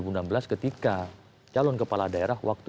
setidaknya setiap grado ada proses pembelajaran itu